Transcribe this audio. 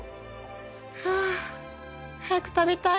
はあ早く食べたい。